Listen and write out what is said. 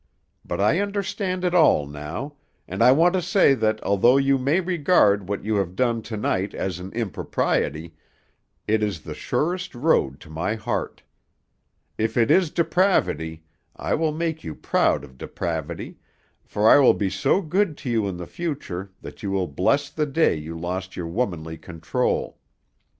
But I understand it all now, and I want to say that although you may regard what you have done to night as an impropriety, it is the surest road to my heart. If it is depravity, I will make you proud of depravity, for I will be so good to you in the future that you will bless the day you lost your womanly control.